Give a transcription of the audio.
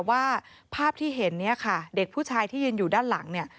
ว่าภาพที่เห็นเนี่ยค่ะเด็กผู้ชายที่ยืนอยู่ด้านหลังเนี่ย